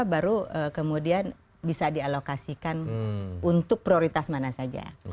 baru kemudian bisa dialokasikan untuk prioritas mana saja